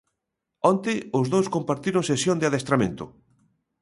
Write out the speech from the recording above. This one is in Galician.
Onte os dous compartiron sesión de adestramento.